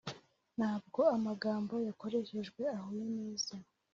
ntabwo amagambo yakoreshejwe ahuye neza